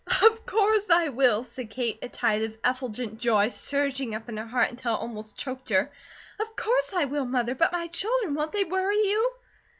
"Of course I will," said Kate, a tide of effulgent joy surging up in her heart until it almost choked her. "Of course I will, Mother, but my children, won't they worry you?"